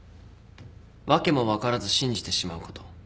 訳も分からず信じてしまうこと。